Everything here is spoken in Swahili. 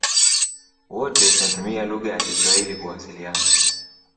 Wote tunatumia lugha ya kiswahili kuwasiliana